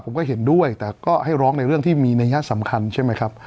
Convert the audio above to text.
ผมก็เห็นด้วยแต่ก็ให้ร้องในเรื่องที่มีนัยยะสำคัญใช่ไหมครับ